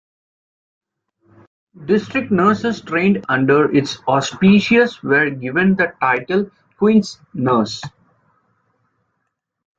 District nurses trained under its auspices were given the title Queen's Nurse.